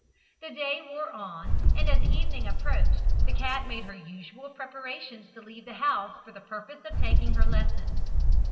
The day wore on, and as evening approached, the cat made her usual preparations to leave the house for the purpose of taking her lesson.